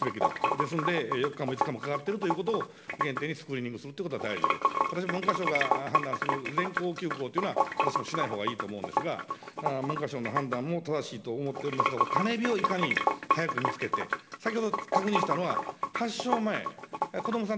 ですので、４日も５日もかかってるということを前提にスクリーニングするということが大事で、私、文科省が判断する全校休校というのは、私もしないほうがいいと思うんですが、文科省の判断も正しいと思っておりますが、種火をいかに早く見つけて、先ほど確認したのは、発症前、子どもさん